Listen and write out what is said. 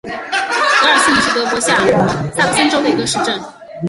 德尔苏姆是德国下萨克森州的一个市镇。